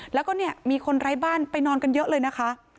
แล้วก็เนี่ยมีคนไร้บ้านไปนอนกันเยอะเลยนะคะ